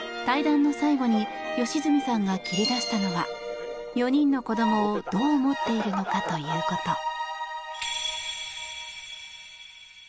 対談の最後に良純さんが切り出したのは４人の子供をどう思っているのかということ。